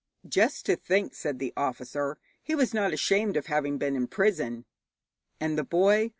'Just to think,' said the officer, 'he was not ashamed of having been in prison!' And the boy?